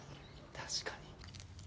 確かに。